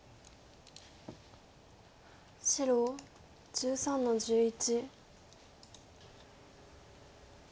白１３の十一。